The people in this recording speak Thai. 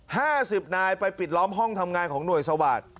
ห้าสิบนายไปปิดล้อมห้องทำงานของหน่วยสวาสตร์